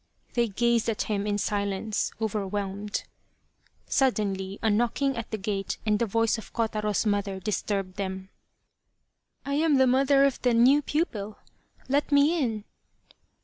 They gazed at him in silence overwhelmed. Suddenly, a knocking at the gate and the voice of Kotaro's mother disturbed them. o 209 Loyal, Even Unto Death " I am the mother of the new pupil. Let me in